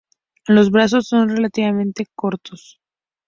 Los brazos son relativamente cortos.